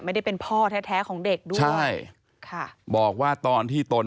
ไม่ได้เป็นพ่อแท้แท้ของเด็กด้วยใช่ค่ะบอกว่าตอนที่ตน